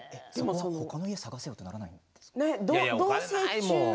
他の家を探せよってならないんですか？